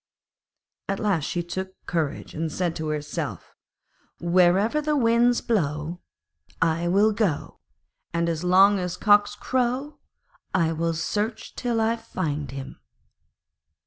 At last she took courage and said to herself: 'Wherever the winds blow, I will go, and as long as cocks crow, I will search till I find him.'